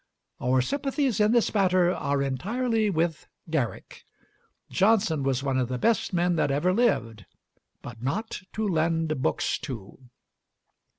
Our sympathies in this matter are entirely with Garrick; Johnson was one of the best men that ever lived, but not to lend books to.